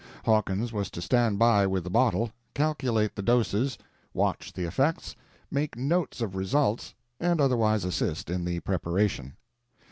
Hawkins was to stand by with the bottle, calculate the doses, watch the effects, make notes of results, and otherwise assist in the preparation.